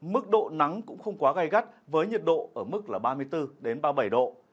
mức độ nắng cũng không quá gai gắt với nhiệt độ ở mức là ba mươi bốn ba mươi bảy độ